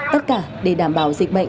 tất cả để đảm bảo dịch bệnh